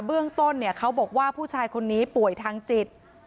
เบื้องต้นเขาบอกว่าผู้ชายคนนี้ป่วยทางจิต